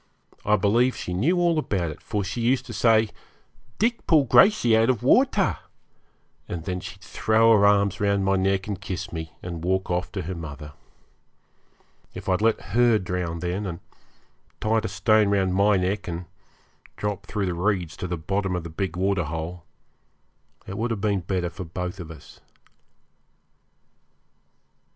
I believe she knew all about it, for she used to say, 'Dick pull Gracey out of water;' and then she'd throw her arms round my neck and kiss me, and walk off to her mother. If I'd let her drown then, and tied a stone round my neck and dropped through the reeds to the bottom of the big waterhole, it would have been better for both of us.